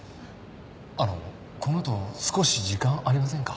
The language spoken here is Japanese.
あのこのあと少し時間ありませんか？